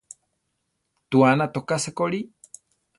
Tuána toká sekorí.